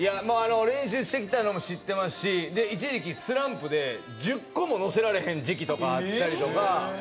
練習してきたのも知ってますし、一時期、スランプで１０個も乗せられない時期とかあったりとか。